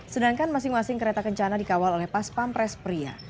sedangkan masing masing kereta kencana dikawal oleh paspampres pria